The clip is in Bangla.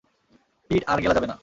পিট, আর গেলা যাবে না।